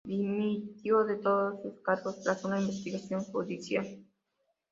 Dimitió de todos sus cargos tras una investigación judicial.